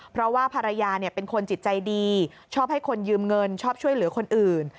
เพราะว่าภรรยาเป็นคนจิตใจดีชอบให้คนยืมเงินชอบช่วยเหลือคนอื่น